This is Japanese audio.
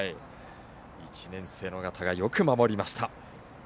１年生の緒方がよく守りました。